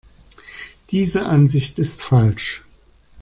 Diese Ansicht ist falsch.